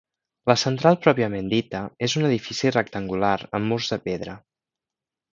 La central pròpiament dita és un edifici rectangular amb murs de pedra.